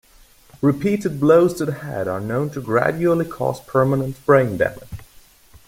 Repeated blows to the head are known to gradually cause permanent brain damage.